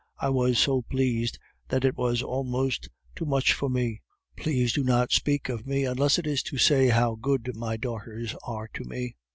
I was so pleased, that it was almost too much for me! Please do not speak of me unless it is to say how good my daughters are to me.